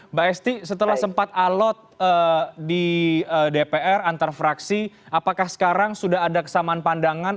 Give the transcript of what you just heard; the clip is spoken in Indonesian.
mbak esti setelah sempat alot di dpr antar fraksi apakah sekarang sudah ada kesamaan pandangan